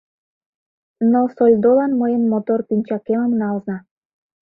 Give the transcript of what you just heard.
— Ныл сольдолан мыйын мотор пинчакемым налза...